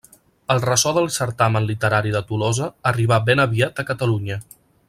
El ressò del certamen literari de Tolosa arribà ben aviat a Catalunya.